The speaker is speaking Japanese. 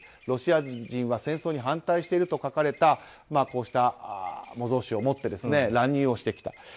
ロシア人は戦争に反対していると書かれた模造紙を持って乱入をしてきた。